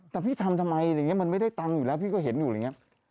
แต่พี่ทำทำไมอะไรอย่างนี้มันไม่ได้ตังค์อยู่แล้วพี่ก็เห็นอยู่อะไรอย่างนี้